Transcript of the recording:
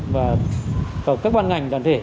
và các bàn ngành đoàn thể